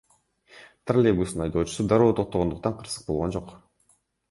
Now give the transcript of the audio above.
Троллейбустун айдоочусу дароо токтогондуктан кырсык болгон жок.